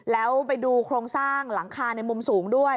แล้วไปดูโครงสร้างหลังคาในมุมสูงด้วย